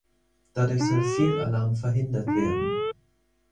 Dadurch soll Fehlalarm verhindert werden.